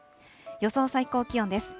予想最高気温です。